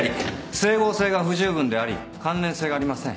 整合性が不十分であり関連性がありません。